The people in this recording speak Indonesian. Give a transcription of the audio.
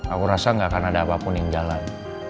aku rasa gak akan ada apapun yang jalan